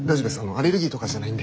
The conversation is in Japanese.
アレルギーとかじゃないんで。